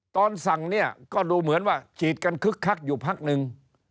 ตอนสั่งเนี่ยก็ดูเหมือนว่าฉีดกันคึกคักอยู่พักนึง